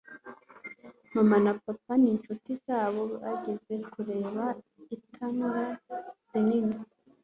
Mama na papa n'inshuti zabo bagiye kureba itanura rinini.